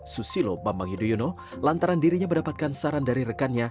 susilo bambang yudhoyono lantaran dirinya mendapatkan saran dari rekannya